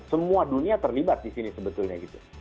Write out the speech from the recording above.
semua dunia terlibat di sini sebetulnya gitu